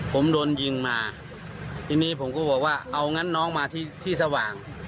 ผมโดนยิงมาทีนี้ผมก็บอกว่าเอางั้นน้องมาที่ที่สว่าง